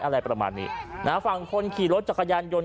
อะไรประมาณนี้นะฮะฝั่งคนขี่รถจักรยานยนต์